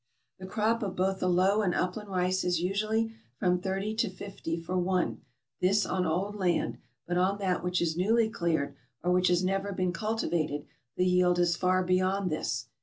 The crop of both the low and upland rice is usually from thirty to fifty for one, this on old land ; but on that which is newly cleared, or which has never been cultivated, the yield is far beyond this.